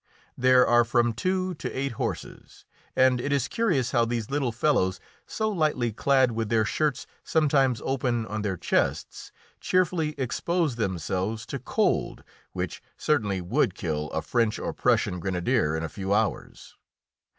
There are from two to eight horses, and it is curious how these little fellows, so lightly clad, with their shirts sometimes open on their chests, cheerfully expose themselves to cold which certainly would kill a French or Prussian grenadier in a few hours.